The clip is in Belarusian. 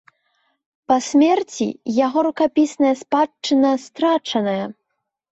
Па смерці яго рукапісная спадчына страчаная.